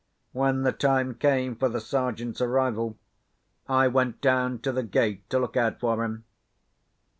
When the time came for the Sergeant's arrival, I went down to the gate to look out for him.